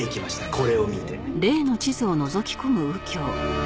これを見て。